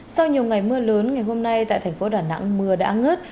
sau nhiều ngày mưa lớn ngày hôm nay tại thành phố đà nẵng mưa đã ngớt